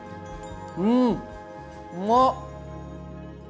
うんうま！